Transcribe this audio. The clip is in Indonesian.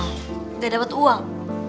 nggak dapet uang